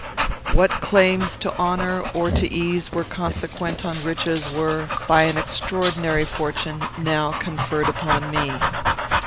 What claims to honour or to ease were consequent on riches were, by an extraordinary fortune, now conferred upon me.